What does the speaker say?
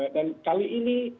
dan kali ini